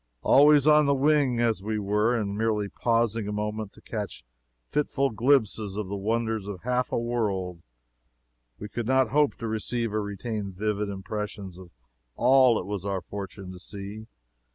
Always on the wing, as we were, and merely pausing a moment to catch fitful glimpses of the wonders of half a world, we could not hope to receive or retain vivid impressions of all it was our fortune to see.